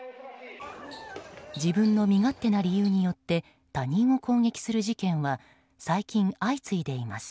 自分の勝手な理由によって他人を攻撃する事件は最近、相次いでいます。